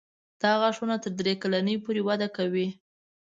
دا غاښونه تر درې کلنۍ پورې وده کوي.